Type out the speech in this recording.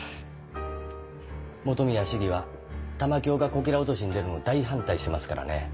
本宮市議は玉響がこけら落としに出るの大反対してますからね。